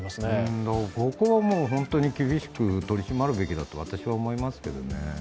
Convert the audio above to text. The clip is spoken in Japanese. ここはもう本当に厳しく取り締まるべきだと私は思いますけどね。